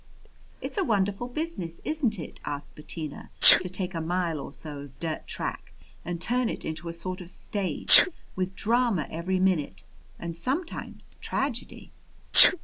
"It's a wonderful business, isn't it?" asked Bettina. "To take a mile or so of dirt track and turn it into a sort of stage, with drama every minute and sometimes tragedy!"